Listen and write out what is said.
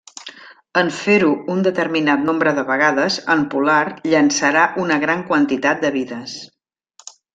En fer-ho un determinat nombre de vegades, en Polar llançarà una gran quantitat de vides.